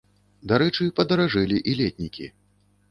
Дарэчы, падаражэлі і летнікі.